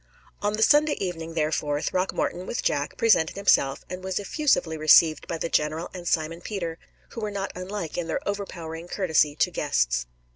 On the Sunday evening, therefore, Throckmorton, with Jack, presented himself, and was effusively received by the general and Simon Peter, who were not unlike in their overpowering courtesy to guests.